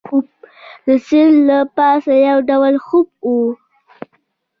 د سیند له پاسه یو ډول خوپ وو.